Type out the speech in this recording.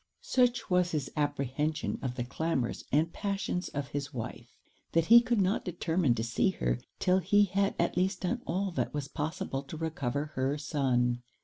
Such was his apprehension of the clamours and passions of his wife, that he could not determine to see her 'till he had at least done all that was possible to recover her son.